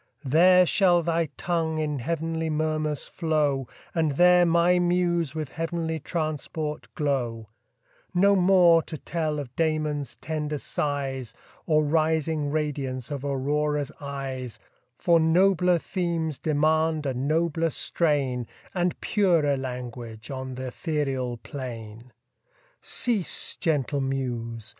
There shall thy tongue in heav'nly murmurs flow, And there my muse with heav'nly transport glow: No more to tell of Damon's tender sighs, Or rising radiance of Aurora's eyes, For nobler themes demand a nobler strain, And purer language on th' ethereal plain. Cease, gentle muse!